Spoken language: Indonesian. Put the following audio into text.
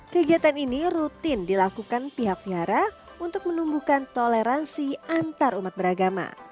kegiatan ini rutin dilakukan pihak wihara untuk menumbuhkan toleransi antar umat beragama